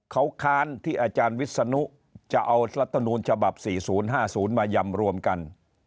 เขาค้านที่อาจารย์วิศนุจะเอารัฐมนูลฉบับ๔๐๕๐มายำรวมกัน